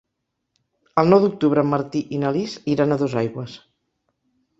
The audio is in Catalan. El nou d'octubre en Martí i na Lis iran a Dosaigües.